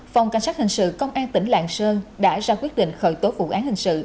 phòng cảnh sát hình sự công an tỉnh lạng sơn đã ra quyết định khởi tố vụ án hình sự